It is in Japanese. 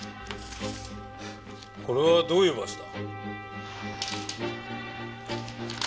これはどういう場所だ？